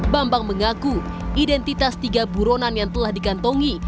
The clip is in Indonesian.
bambang mengaku identitas tiga buronan yang telah digantongi